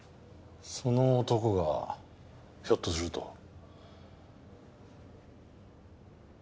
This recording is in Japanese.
その男がひょっとすると。